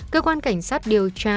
cơ quan cảnh sát điều tra